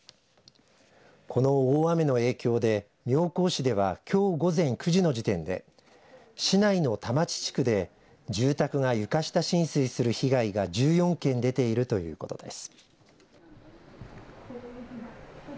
この大雨の影響で妙高市ではきょう午前９時の時点で市内の田町地区で住宅が床下浸水する被害が１４件出ているということです。